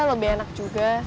lebih enak juga